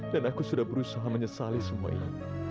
dan aku sudah berusaha menyesali semua ini